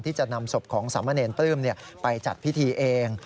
ที่จะนำศพของสามะเนรปลื้มไปจัดพิธีเอง